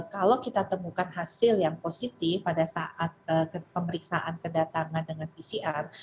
kalau kita temukan hasil yang positif pada saat pemeriksaan kedatangan dengan pcr